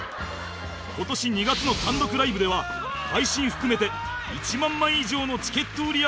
今年２月の単独ライブでは配信含めて１万枚以上のチケット売り上げを記録